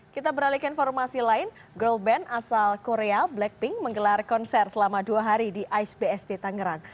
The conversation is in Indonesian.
kita beralih ke informasi lain girl band asal korea blackpink menggelar konser selama dua hari di ais bst tangerang